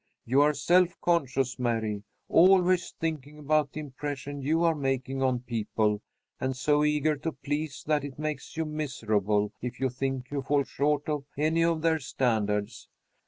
"You are self conscious, Mary. Always thinking about the impression you are making on people, and so eager to please that it makes you miserable if you think you fall short of any of their standards.